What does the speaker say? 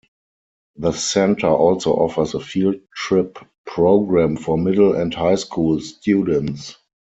The center also offers a field trip program for middle and high school students.